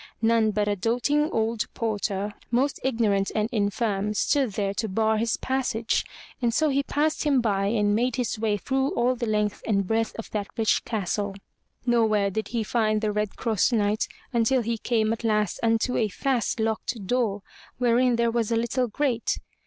None but a doting old porter, most ignorant and infirm, stood there to bar his passage; and so he passed him by and made his way through all the length and breadth of that rich castle. Nowhere did he find the Red Cross Knight until he came at last unto a fast locked door, wherein there was a little grate.